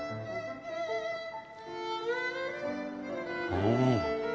うん！